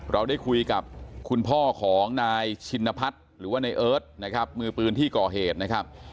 เราได้คุยกับคุณพ่อของนายชินพัฒน์หรือว่าในเอิร์ทนะครับมือปืนที่ก่อเหตุนะครับ